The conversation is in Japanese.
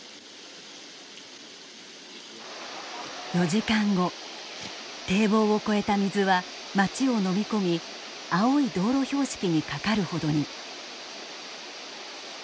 ４時間後堤防を越えた水は町をのみ込み青い道路標識にかかるほどに。